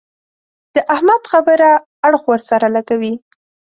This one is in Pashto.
د احمد خبره اړخ ور سره لګوي.